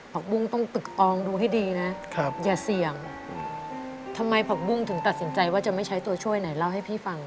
ปุ้งต้องตึกอองดูให้ดีนะอย่าเสี่ยงทำไมผักบุ้งถึงตัดสินใจว่าจะไม่ใช้ตัวช่วยไหนเล่าให้พี่ฟัง